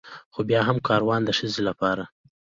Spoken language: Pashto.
خو بيا هم کاروان د ښځې لپاره